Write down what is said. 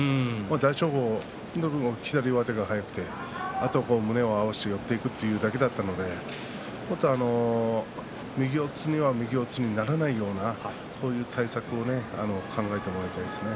大翔鵬、左の上手が速くてあとは胸を合わせて寄っていくというだけだったので右四つには右四つにならないようなそういう対策を考えてもらいたいですね。